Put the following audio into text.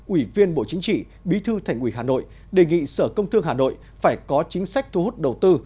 ủy viên bộ chính trị bí thư thành ủy hà nội đề nghị sở công thương hà nội phải có chính sách thu hút đầu tư